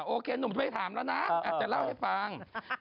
โอเคหนุ่มช่วยถามแล้วนะอาจจะเล่าให้ฟัง